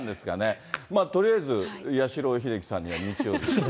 とりあえず八代英輝さんには日曜日。